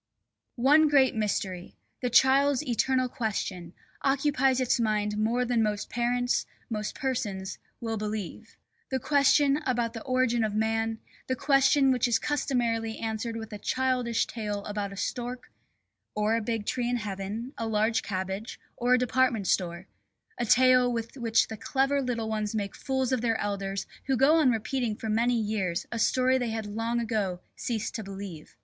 One great mystery, the child's eternal question, occupies its mind more than most parents, most persons, will believe: the question about the origin of man, the question which is customarily answered with a childish tale about a stork (or a big tree in heaven, a large cabbage, or a department store), a tale with which the clever little ones make fools of their elders who go on repeating for many years a story they had long ago ceased to believe.